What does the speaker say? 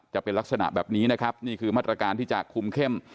จะเป็นลักษณะแบบนี้นะครับนี่คือมาตรการที่จะคุมเข้ม